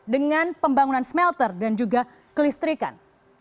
dengan pembangunan smelter dan juga kelistrikan